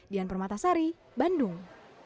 dian permatasari bandung